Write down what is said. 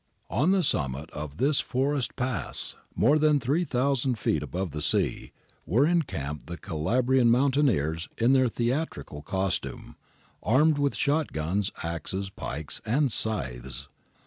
On the summit of this forest pass, more than 3000 feet above the sea, were encamped the Calabrian mountaineers in their theatrical costume, armed with shot guns, axes, pikes, and scythes.